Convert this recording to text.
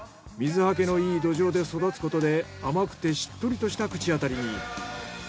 水はけのいい土壌で育つことで甘くてしっとりとした口当たりに。